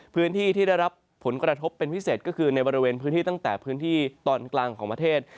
พื้นที่ที่ได้รับผลกระทบเป็นพิเศษก็คือในบริเวณพื้นที่ตั้งแต่พื้นที่ตอนกลางของประเทศ